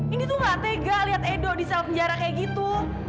ini tuh gak tega lihat edo di sel penjara kayak gitu